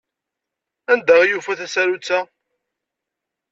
Anda i yufa tasarut-a?